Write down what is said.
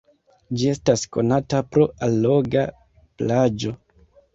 Ĝi estas konata pro alloga plaĝo.